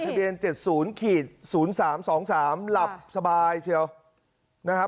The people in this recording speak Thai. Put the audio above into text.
ทะเบียนเจ็ดศูนย์ขีดศูนย์สามสองสามหลับสบายเชียวนะฮะ